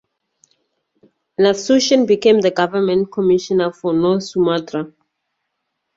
Nasution became the government commissioner for North Sumatra.